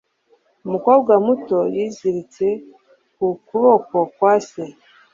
Umukobwa muto yiziritse ku kuboko kwa se